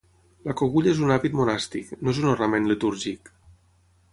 La cogulla és un hàbit monàstic, no és un ornament litúrgic.